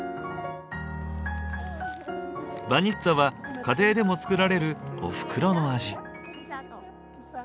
バニッツァは家庭でも作られるおふくろの味。